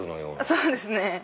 そうですね。